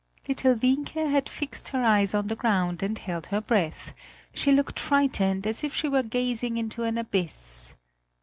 Little Wienke had fixed her eyes on the ground and held her breath; she looked frightened as if she were gazing into an abyss.